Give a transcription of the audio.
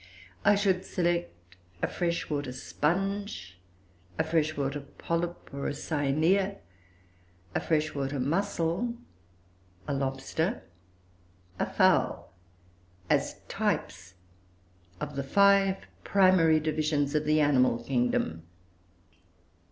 I should select a fresh water sponge, a fresh water polype or a Cyanoea, a fresh water mussel, a lobster, a fowl, as types of the five primary divisions of the animal kingdom.